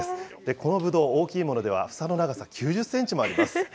このぶどう、大きいもので房の長さ９０センチもあります。